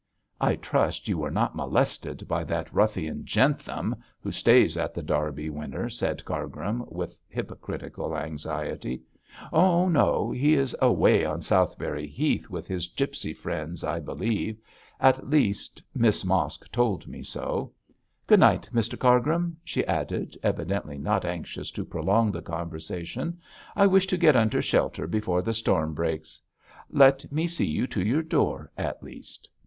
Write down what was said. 'I trust you were not molested by that ruffian Jentham, who stays at The Derby Winner,' said Cargrim, with hypocritical anxiety. 'Oh, no! he is away on Southberry Heath with his gipsy friends, I believe at least, Miss Mosk told me so. Good night, Mr Cargrim,' she added, evidently not anxious to prolong the conversation. 'I wish to get under shelter before the storm breaks.' 'Let me see you to your door at least.'